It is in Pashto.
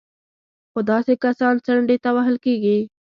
خو داسې کسان څنډې ته وهل کېږي